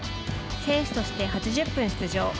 選手として８０分出場。